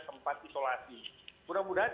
tempat isolasi mudah mudahan